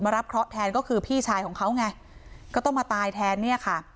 รับเคราะห์แทนก็คือพี่ชายของเขาไงก็ต้องมาตายแทนเนี่ยค่ะ